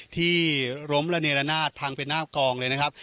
ที่ล้มระเนรนาศพังไปหน้ากองเลยนะครับ